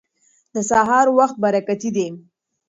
د سهار وخت برکتي دی.